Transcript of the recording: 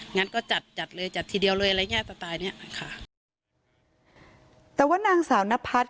งั้นก็จัดจัดเลยจัดทีเดียวเลยอะไรอย่างเงี้ยสไตล์เนี้ยค่ะแต่ว่านางสาวนพัฒน์